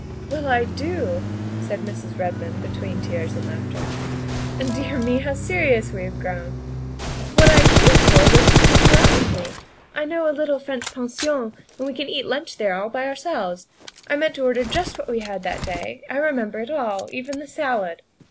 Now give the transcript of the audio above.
11 Well, I do," said Mrs. Redmond between tears and laughter, " and, dear me, how serious we have grown! THE SECRETARY OF STATE 75 What I came for was to take you out with me. I know a little French pension, and we can lunch there all by ourselves. I mean to order just what we had that day; I remember it all even the salad."